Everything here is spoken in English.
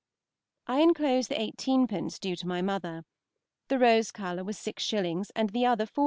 I enclose the eighteen pence due to my mother. The rose color was 6_s._ and the other 4_s.